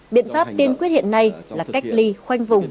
biện pháp tiên quyết hiện nay là cách ly khoanh vùng